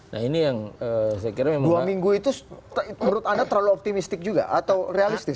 nah ini yang saya kira dua minggu itu menurut anda terlalu optimistik juga atau realistis